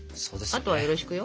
あとはよろしくよ。